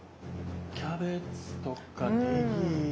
キャベツとかネギ。